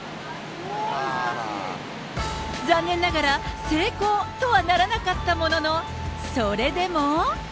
残念ながら成功とはならなかったものの、それでも。